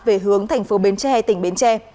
về hướng thành phố bến tre tỉnh bến tre